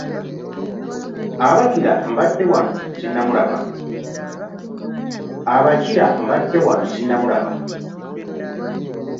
Abakira mbadde wano ssinnamulaba.